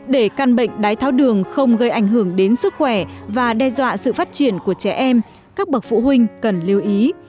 để căn bệnh đái tháo đường không gây ảnh hưởng đến sức khỏe và đe dọa sự phát triển của trẻ em các bậc phụ huynh cần lưu ý